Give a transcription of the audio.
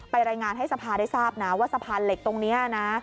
รายงานให้สภาได้ทราบนะว่าสะพานเหล็กตรงนี้นะ